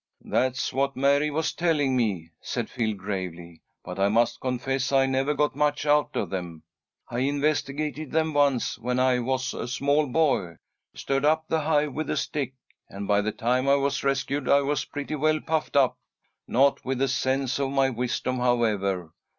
"That's what Mary was telling me," said Phil, gravely. "But I must confess I never got much out of them. I investigated them once when I was a small boy stirred up the hive with a stick, and by the time I was rescued I was pretty well puffed up. Not with a sense of my wisdom, however.